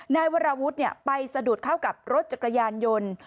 นายวราวุฒิไปสะดุดเข้ากับรถจักรยานยนต์